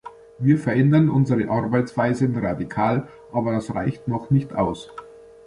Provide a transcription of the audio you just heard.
Wir verändern unsere Arbeitsweisen radikal, aber das reicht noch nicht aus.